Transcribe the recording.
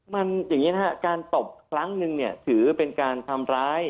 มันอย่างนี้นะครับการตบครั้งนึงเนี่ยถือเป็นการทำร้าย